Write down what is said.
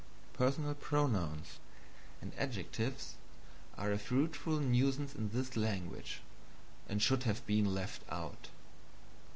Personal pronouns and adjectives are a fruitful nuisance in this language, and should have been left out.